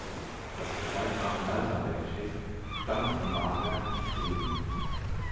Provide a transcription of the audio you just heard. Das vergleichbare Galtabäck-Schiff stammt von Varberg in Schweden.